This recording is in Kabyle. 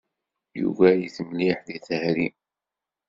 Yugar-it mliḥ deg tehri.